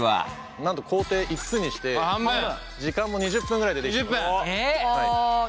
なんと工程５つにして時間も２０分ぐらいで出来ちゃいます。